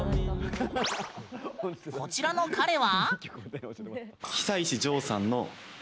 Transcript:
こちらの彼は？